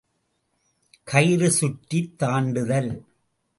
கயிறு சுற்றித் தாண்டுதல்.